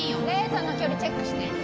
レーザーの距離チェックして。